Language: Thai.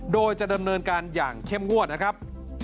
โดยจะดำเนินการอย่างเข้มงวดนะครับ